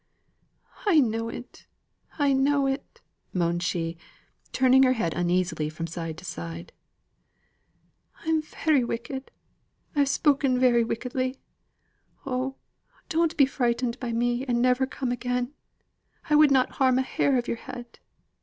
"I know it! I know it," moaned she, turning her head uneasily from side to side. "I'm very wicked. I've spoken very wickedly. Oh! don't be frightened by me and never come again. I would not harm a hair of your head.